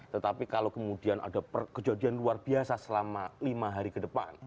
tetapi kalau kemudian ada kejadian luar biasa selama lima hari ke depan